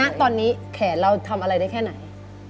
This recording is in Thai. ณตอนนี้แขนเราทำอะไรได้แค่ไหน